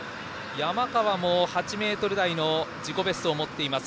山川も、８ｍ台の自己ベストを持っています。